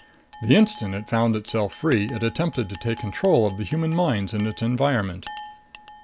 The instant it found itself free, it attempted to take control of the human minds in its environment.